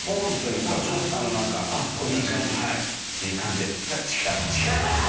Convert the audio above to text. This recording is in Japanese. いい感じで。